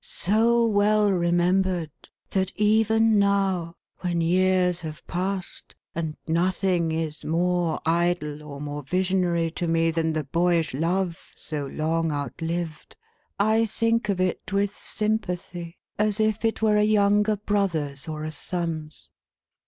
So well remembered, that even now, when years have passed, and nothing is more idle or more visionary to me than the boyish love so long outlived, I think of it with sympathy, as if it were a younger brother's or a son's.